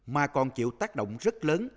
mà còn chịu tác động rất lớn